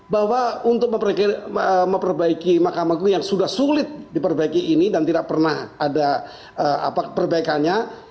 bahwa untuk memperbaiki mahkamah agung yang sudah sulit diperbaiki ini dan tidak pernah ada perbaikannya